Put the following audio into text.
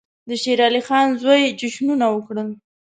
د شېر علي خان زوی جشنونه وکړل.